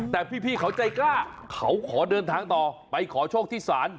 แต่พี่เขาใจกล้าเขาขอเดินทางต่อไปขอโชคที่ศาล